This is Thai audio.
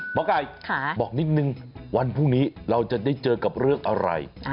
หมอไก่บอกนิดนึงวันพรุ่งนี้เราจะได้เจอกับเรื่องอะไร